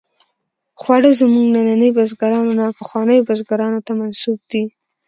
خواړه زموږ ننني بزګرانو نه، پخوانیو بزګرانو ته منسوب دي.